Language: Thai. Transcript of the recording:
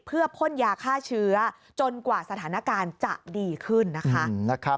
เพื่อพ่นยาฆ่าเชื้อจนกว่าสถานการณ์จะดีขึ้นนะคะ